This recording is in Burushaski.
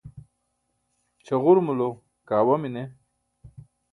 chaġurumulo kaawa mine